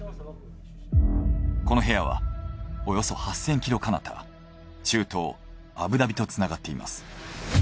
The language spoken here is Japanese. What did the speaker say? この部屋はおよそ８，０００キロかなた中東アブダビとつながっています。